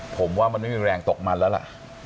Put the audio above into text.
ผมว่ามันไม่มีแรงตกมันแล้วล่ะ